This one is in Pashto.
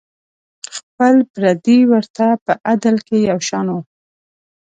خپل پردي ورته په عدل کې یو شان وو.